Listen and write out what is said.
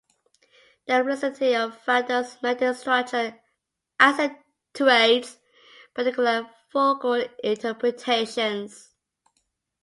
The simplicity of fado's melodic structure accentuates particular vocal interpretations.